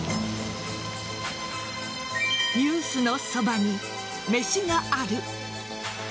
「ニュースのそばに、めしがある。」